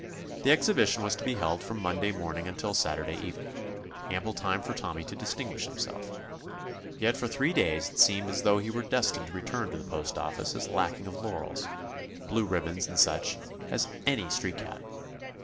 The exhibition was to be held from Monday morning until Saturday even ing — ample time for Tommy to distin guish himself. Yet for three days it 130 TOMMY POSTOFFICE seemed as though he were destined to return to the postoffice as lacking of laurels, blue ribbons, and such, as any street cat.